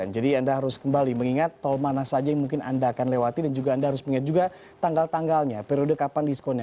jadi anda harus kembali mengingat tol mana saja yang mungkin anda akan lewati dan juga anda harus mengingat juga tanggal tanggalnya periode kapan diskonnya